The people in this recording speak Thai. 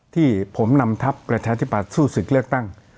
ที่ผมนำทัพประชาธิบัตย์สู้ศึกเลือกตั้ง